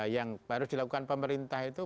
yang harus dilakukan pemerintah itu